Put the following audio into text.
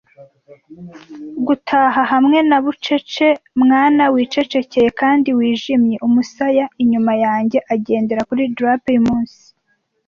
Gutaha hamwe na bucece -mwana wicecekeye kandi wijimye - umusaya , (inyuma yanjye agendera kuri drape yumunsi,)